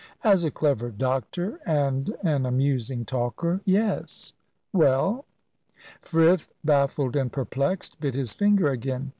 "As a clever doctor and an amusing talker yes. Well?" Frith, baffled and perplexed, bit his finger again.